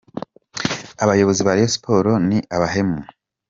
Abayobozi ba Rayon Sports ni abahemu’.